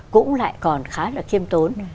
cũng lại còn khá là chiêm tốn